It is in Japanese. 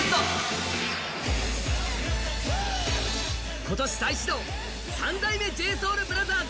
今年再始動、三代目ＪＳＯＵＬＢＲＯＴＨＥＲＳ。